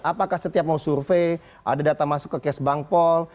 apakah setiap mau survei ada data masuk ke cash bank paul